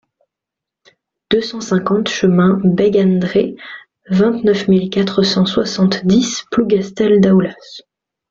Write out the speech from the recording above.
deux cent cinquante chemin Beg an Dre, vingt-neuf mille quatre cent soixante-dix Plougastel-Daoulas